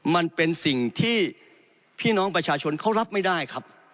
มันเป็นสิ่งที่พี่น้องประชาชนเขารับไม่ได้ครับ